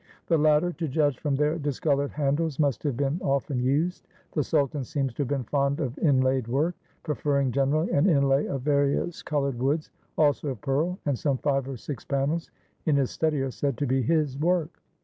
The latter, to judge from their discolored handles, must have been often used. The sultan seems to have been fond of in laid work, — preferring generally an inlay of various 533 TURKEY colored woods; also of pearl, — and some five or six panels in his study are said to be his work.